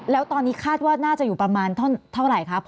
แล้วตอนนี้คาดว่าน่าจะอยู่ประมาณเท่าไหร่ครับ